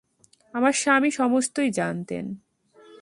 আমার স্বামী সমস্তই জানতেন।